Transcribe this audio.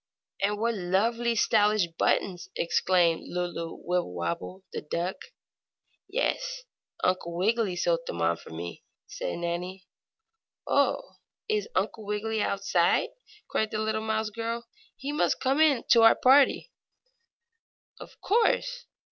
"And what lovely stylish buttons!" exclaimed Lulu Wibblewobble, the duck. "Yes, Uncle Wiggily sewed them on for me," said Nannie. "Oh, is Uncle Wiggily outside!" cried the little mousie girl. "He must come in to our party!" "Of course!"